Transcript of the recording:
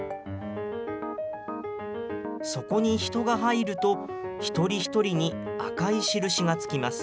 そこに人が入ると、一人一人に赤い印が付きます。